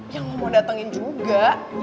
yang mau datengin juga